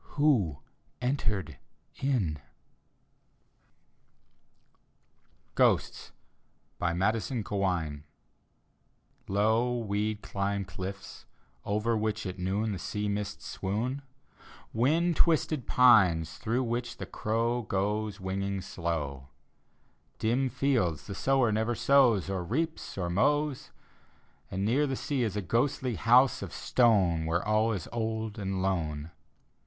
ff^ko entered inf GHOSTS : madison cawein Low, weed climbed cliffs, o'er which at noon The sea mists swoon: Wind twisted pines, through which the crow Goes winging slow: D,gt,, erihyGOOgle 136 The Haunted Hour Dim fields the sower never sows, Or reaps or mows: And near the sea a ghostly house of stone Where all is old and lone.